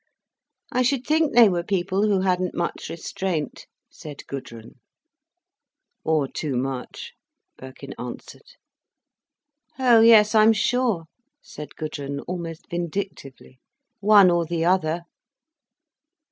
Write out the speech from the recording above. "I should think they were people who hadn't much restraint," said Gudrun. "Or too much," Birkin answered. "Oh yes, I'm sure," said Gudrun, almost vindictively, "one or the other."